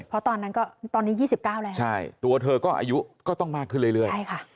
เพราะตอนนั้นก็ตอนนี้๒๙แล้วใช่ตัวเธอก็อายุก็ต้องมากขึ้นเรื่อยใช่ค่ะ